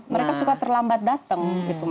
mereka suka terlambat datang